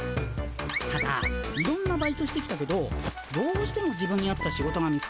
ただいろんなバイトしてきたけどどうしても自分に合った仕事が見つからないだろ。